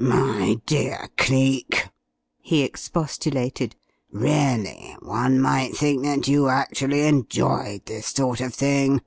"My dear Cleek!" he expostulated. "Really, one might think that you actually enjoyed this sort of thing!